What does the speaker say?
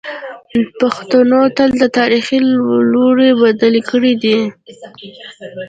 پښتنو تل د تاریخ لوری بدل کړی دی.